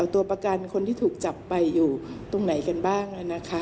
ตัวประกันคนที่ถูกจับไปอยู่ตรงไหนกันบ้าง